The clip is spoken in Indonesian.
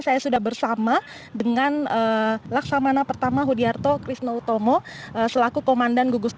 saya sudah bersama dengan laksamana pertama hudiarto krisno utomo selaku komandan gugus